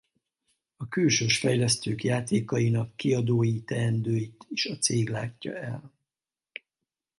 A külsős fejlesztők játékainak kiadói teendőit is a cég látja el.